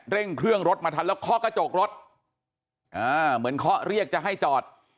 เร่งเครื่องรถมาทันแล้วเคาะกระจกรถอ่าเหมือนเคาะเรียกจะให้จอด